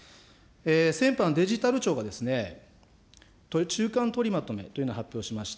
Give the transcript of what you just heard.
先般、デジタル庁が、中間取りまとめというのを発表しました。